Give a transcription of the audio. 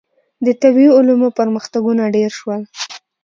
• د طبیعي علومو پرمختګونه ډېر شول.